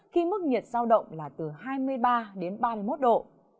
khi mức nhiệt giao động là từ hai mươi ba đến ba mươi một độ